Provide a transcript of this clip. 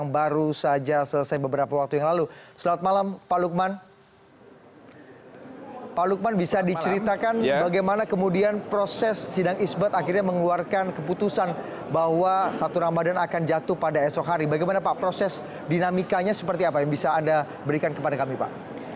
bagaimana pak proses dinamikanya seperti apa yang bisa anda berikan kepada kami pak